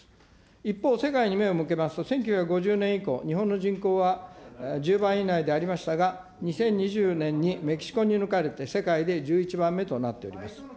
一方、世界に目を向けますと、１９５０年以降、日本の人口は１０番以内でありましたが、２０２０年にメキシコに抜かれて世界で１１番目となっております。